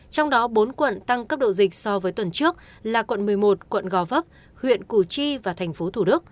trong đó bốn quận tăng cấp độ dịch so với tuần trước là quận một mươi một quận gò vấp huyện củ chi và tp thủ đức